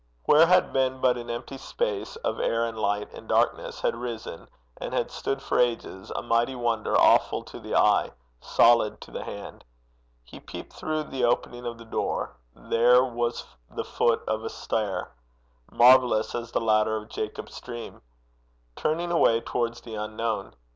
Where had been but an empty space of air and light and darkness, had risen, and had stood for ages, a mighty wonder awful to the eye, solid to the hand. He peeped through the opening of the door: there was the foot of a stair marvellous as the ladder of Jacob's dream turning away towards the unknown.